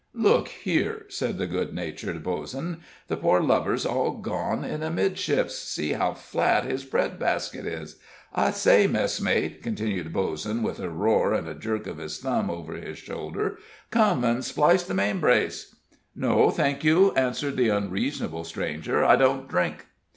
"Look here," said the good natured Bozen, "the poor lubber's all gone in amidships see how flat his breadbasket is. I say, messmate," continued Bozen, with a roar, and a jerk of his thumb over his shoulder, "come and splice the main brace." "No, thank you," answered the unreasonable stranger; "I don't drink."